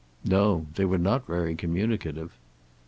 "No. They were not very communicative."